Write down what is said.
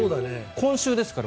今週ですから。